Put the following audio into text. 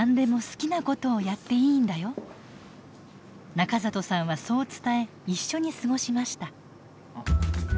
中里さんはそう伝え一緒に過ごしました。